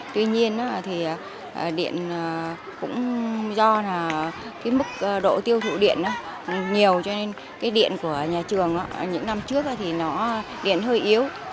tuy nhiên thì điện cũng do mức độ tiêu thụ điện nhiều cho nên điện của nhà trường những năm trước thì điện hơi yếu